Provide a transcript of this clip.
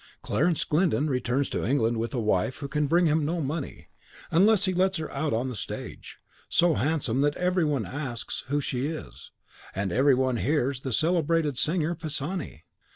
Clarence Glyndon returns to England with a wife who can bring him no money, unless he lets her out on the stage; so handsome, that every one asks who she is, and every one hears, the celebrated singer, Pisani.